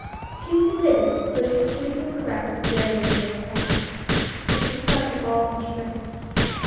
She submitted, for this fleeting caress was very dear and precious, but she summoned all her strength.